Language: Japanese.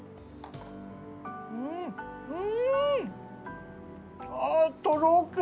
うんうーん！